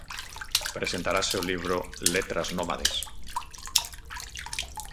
Presentarase o libro Letras Nómades.